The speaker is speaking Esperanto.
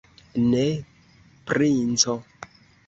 Ne, princo!